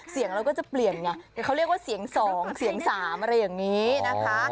เสียงเราก็จะเปลี่ยนไงเขาเรียกว่าเสียง๒เสียง๓อะไรอย่างนี้นะคะ